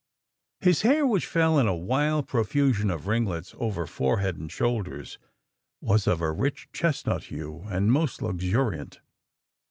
"His hair, which fell in a wild profusion of ringlets over forehead and shoulders, was of a rich chestnut hue and most luxuriant.